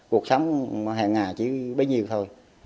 cuộc sống hàng ngày chỉ bấy nhiêu thôi